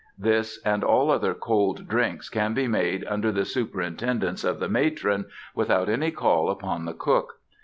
This and all other cold drinks can be made under the superintendence of the matron, without any call upon the cook.